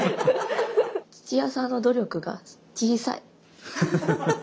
土屋さんの努力が小さい。